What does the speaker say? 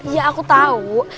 ya aku tahu